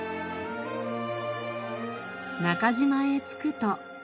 中島へ着くと。